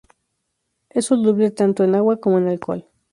Es soluble tanto en agua como en alcohol.